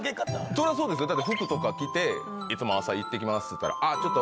そりゃあそうですよだって服とか着ていつも朝。って言ったら「あちょっと」。